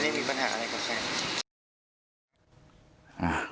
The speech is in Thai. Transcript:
อันนี้มีปัญหาอะไรก็ใช่